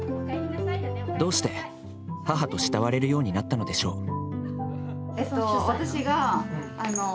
どうして、母と慕われるようになったのでしょう？